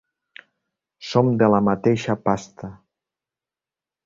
Som de la mateixa pasta.